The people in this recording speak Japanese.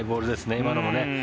今のもね。